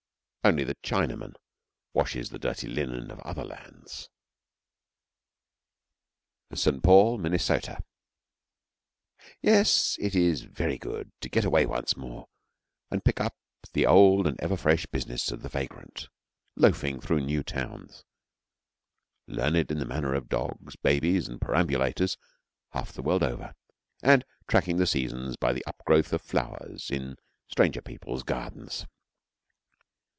Only the Chinaman washes the dirty linen of other lands. St. Paul, Minnesota. Yes, it is very good to get away once more and pick up the old and ever fresh business of the vagrant, loafing through new towns, learned in the manners of dogs, babies, and perambulators half the world over, and tracking the seasons by the up growth of flowers in stranger people's gardens.